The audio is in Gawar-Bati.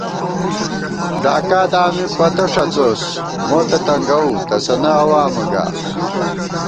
ڈاکا دامی پتہ ݭَڅوس موتہ تنگَوُؤ تسَنہ عوامہ گا